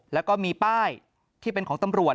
แล้วก็มีป้ายที่เป็นของตำรวจ